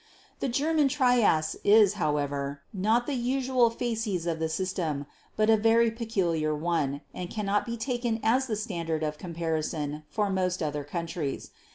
The German Trias is, however, not the usual facies of the system, but a very peculiar one, and cannot be taken as the standard of comparison for most other countries.